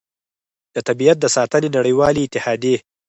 د طبیعت د ساتنې نړیوالې اتحادیې